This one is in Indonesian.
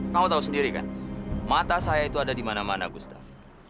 kamu tau sendiri kan mata saya itu ada dimana mana gustaf